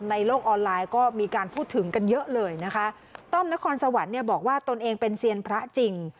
ในโลกออนไลน์ก็มีการพูดถึงกันเยอะเลยนะคะต้อมนครสวรรค์เนี่ยบอกว่าตนเองเป็นเซียนพระจริง